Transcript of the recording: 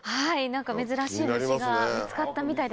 珍しい虫が見つかったみたいです。